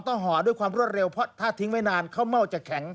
ห่อด้วยความรวดเร็วเพราะถ้าทิ้งไว้นานข้าวเม่าจะแข็ง